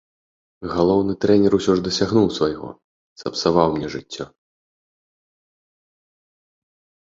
Галоўны трэнер усё ж дасягнуў свайго, сапсаваў мне жыццё.